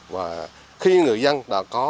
và khi người dân đã có